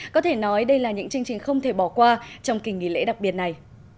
có thể nói đây là những chương trình không thể bỏ qua trong kỳ nghỉ lễ đặc biệt này